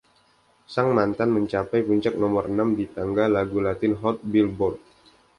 Sang mantan mencapai puncak nomor enam di tangga lagu Latin Hot “Billboard”.